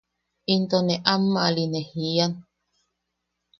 Into ne ammaʼali ne jian.